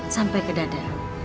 sampai ke dada